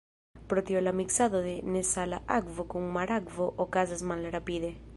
Pro tio la miksado de nesala akvo kun marakvo okazas malrapide.